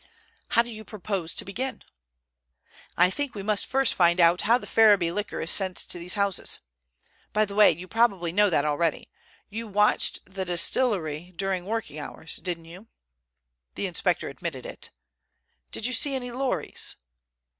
"How do you propose to begin?" "I think we must first find out how the Ferriby liquor is sent to these houses. By the way, you probably know that already. You watched the distillery during working hours, didn't you?" The inspector admitted it. "Did you see any lorries?"